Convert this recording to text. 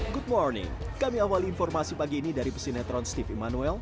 good morning kami awali informasi pagi ini dari pesinetron steve emanuel